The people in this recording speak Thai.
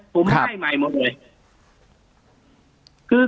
ผมได้ใหม่หมดเลย